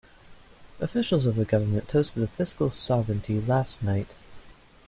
Officials of the government toasted the fiscal sovereignty last night.